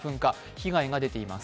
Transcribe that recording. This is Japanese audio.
被害が出ています。